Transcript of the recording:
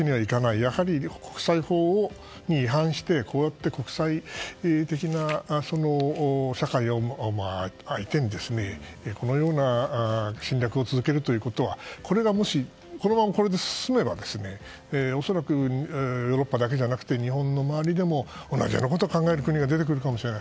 やはり国際法に違反してこうして国際的な社会を相手にこのような侵略を続けるということはもし、このままこれが進めば恐らくヨーロッパだけじゃなく日本の周りでも同じようなことを考える国が出てくるかもしれない。